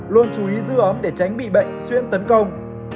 luôn chú ý giữ ấm để tránh bị bệnh xuyên tấn công